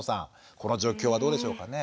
この状況はどうでしょうかね？